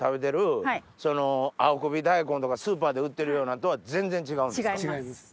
青首大根とかスーパーで売ってるようなんとは全然違うんですか？